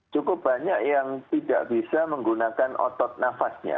cukup banyak yang tidak bisa menggunakan otot nafasnya